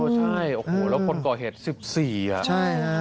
ใช่แล้วคนก่อเหตุ๑๔อ่ะ